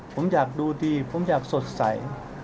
ผมอยากดูดีผมอยากสดใส